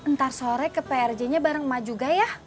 ntar sore ke prj nya bareng emak juga ya